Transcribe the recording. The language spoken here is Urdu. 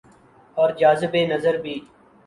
اورجاذب نظربھی۔